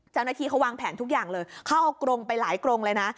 เจ้าหน้าที่เขาวางแผนทุกอย่างเลยเขาเอากรงไปหลายกรงเลยนะ